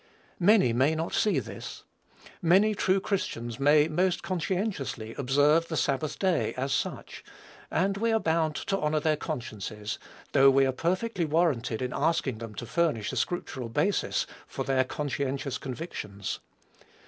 Many may not see this. Many true Christians may, most conscientiously, observe the sabbath day, as such; and we are bound to honor their consciences, though we are perfectly warranted in asking them to furnish a scriptural basis for their conscientious convictions.